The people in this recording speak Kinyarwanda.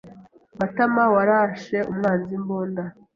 Matamawarashe umwanzi imbunda.